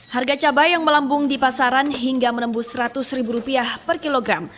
harga cabai yang melambung di pasaran hingga menembus rp seratus per kilogram